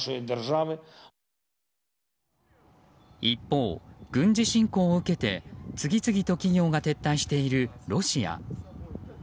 一方、軍事侵攻を受けて次々と企業が撤退しているロシア。